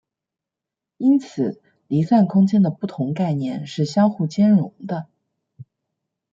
因此离散空间的不同概念是相互兼容的。